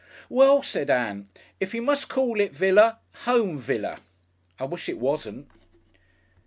"Well," said Ann, "if you must call it Villa Home Villa.... I wish it wasn't."